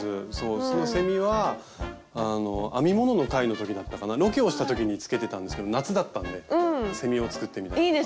そのセミは編み物の回の時だったかなロケをした時につけてたんですけど夏だったんでセミを作ってみたりとか。